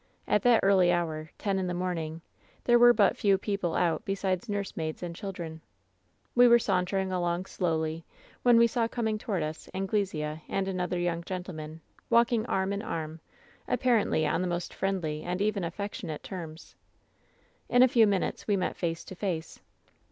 "At that early hour, ten in the morning, there wer« but few people out besides nursemaids and children. "We were sauntering along slowly, when we saw com ing toward us Anglesea and another young gentleman, ^Talking arm in arm, apparently on the most friendly and even affectionate terms. "In a few minutes we met face to face.